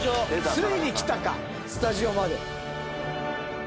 ついに来たかスタジオまで。